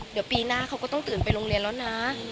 เดี๋ยวปีหน้าเขาก็ต้องตื่นไปโรงเรียนแล้วนะ